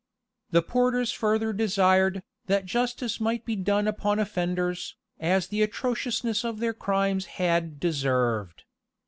The porters further desired, that justice might be done upon offenders, as the atrociousness of their crimes had deserved.